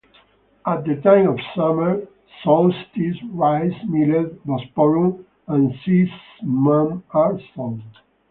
At the time of summer solstice, rice, millet, "bosporum" and sesamum are sown.